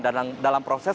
dan dalam proses